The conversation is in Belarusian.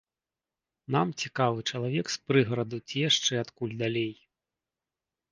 Нам цікавы чалавек з прыгараду ці яшчэ адкуль далей.